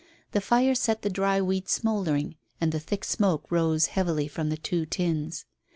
The fire set the dry weed smouldering, and the thick smoke rose heavily from the two tins.